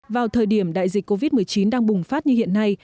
vào thời điểm đại dịch covid một mươi chín đang bùng phát như hiện nay